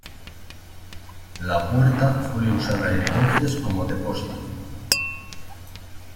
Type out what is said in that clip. La puerta fue usada entonces como depósito.